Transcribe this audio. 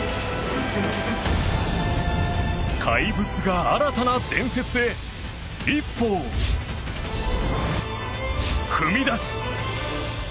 怪物が新たな伝説へ一歩を踏み出す。